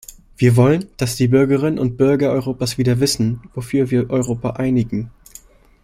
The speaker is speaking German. Wir wollen, dass die Bürgerinnen und Bürger Europas wieder wissen, wofür wir Europa einigen.